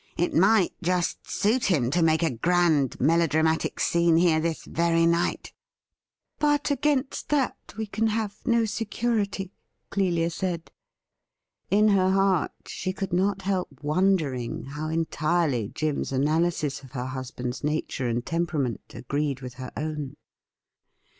It might just suit him to make a grand melodramatic scene here this very night '' But against that we can have no security,' Clelia said. In her heart she could not help wondering how entirely Jim's analysis of her husband's nature and temperament agreed with her own.